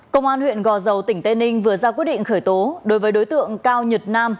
công an huyện gò dầu tỉnh tây ninh vừa ra quyết định khởi tố đối với đối tượng cao nhật nam